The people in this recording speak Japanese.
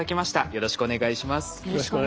よろしくお願いします。